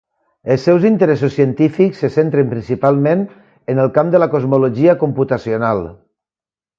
Els seus interessos científics se centren principalment en el camp de la cosmologia computacional.